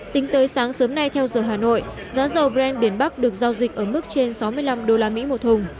tính tới sáng sớm nay theo giờ hà nội giá dầu brand biển bắc được giao dịch ở mức trên sáu mươi năm usd một thùng